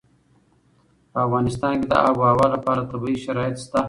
په افغانستان کې د آب وهوا لپاره طبیعي شرایط شته.